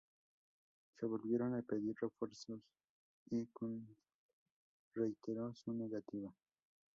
Se volvieron a pedir refuerzos y Kundt reiteró su negativa.